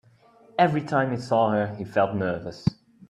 Every time he saw her, he felt nervous.